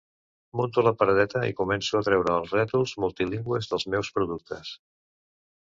Munto la paradeta i començo a treure els rètols multilingües dels meus productes.